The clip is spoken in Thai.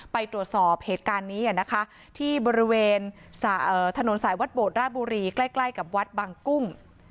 ไปตรวจสอบเหตุการณ์นี้นะคะที่บริเวณถนนสายวัดโบดราบุรีใกล้กับวัดบางกุ้ง